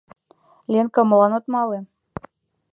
— Ленка, молан от мале?